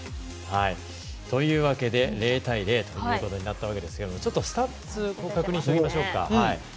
というわけで０対０となったわけですけどもスタッツを確認しておきましょうか。